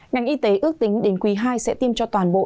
ngành y tế ước tính đến quý ii sẽ tiêm cho toàn bộ